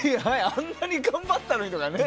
あんなに頑張ったのにとかね。